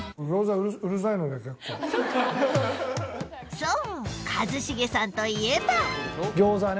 そう一茂さんといえば餃子ね